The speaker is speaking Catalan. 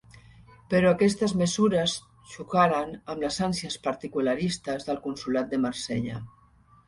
Però aquestes mesures xocaren amb les ànsies particularistes del consolat de Marsella.